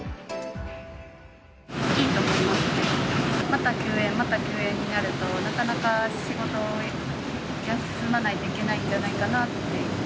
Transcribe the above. また休園、また休園になると、なかなか仕事を休まないといけないんじゃないかなって。